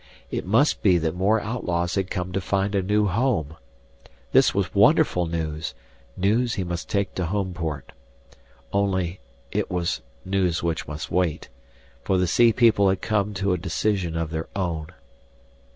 It must be that more outlaws had come to find a new home! This was wonderful news, news he must take to Homeport. Only, it was news which must wait. For the sea people had come to a decision of their own.